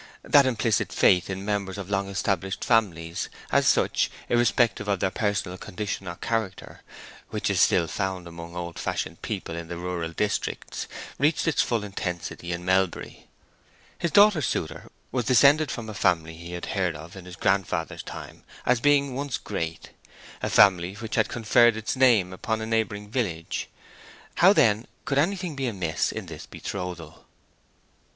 That implicit faith in members of long established families, as such, irrespective of their personal condition or character, which is still found among old fashioned people in the rural districts reached its full intensity in Melbury. His daughter's suitor was descended from a family he had heard of in his grandfather's time as being once great, a family which had conferred its name upon a neighboring village; how, then, could anything be amiss in this betrothal?